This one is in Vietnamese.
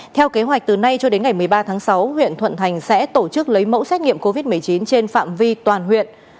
theo kế hoạch từ nay cho đến ngày một mươi ba tháng sáu huyện thuận thành sẽ tổ chức lấy mẫu xét nghiệm covid một mươi chín trên phạm vi toàn huyện